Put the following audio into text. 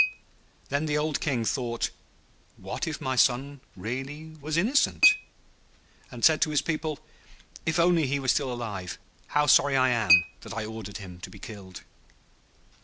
Then the old King thought, 'What if my son really was innocent?' and said to his people, 'If only he were still alive! How sorry I am that I ordered him to be killed.'